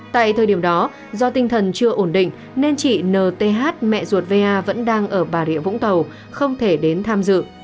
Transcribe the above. tại thời điểm đó do tinh thần chưa ổn định nên chị nth mẹ ruột vaya vẫn đang ở bà rịa vũng tàu không thể đến tham dự